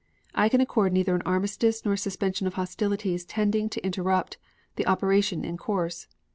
I can accord neither an armistice nor a suspension of hostilities tending to interrupt the operations in course.